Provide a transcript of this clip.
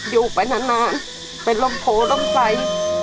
อยู่ไปนานเป็นร่มโผล่ร่มใกล้